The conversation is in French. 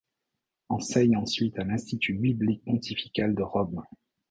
Enseigne ensuite à l'Institut Biblique Pontifical de Rome.